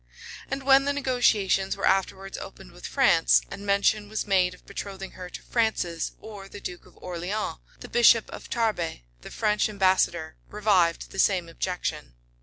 [] And when the negotiations were afterwards opened with France, and mention was made of betrothing her to Francis or the duke of Orleans, the bishop of Tarbe, the French ambassador, revived the same objection.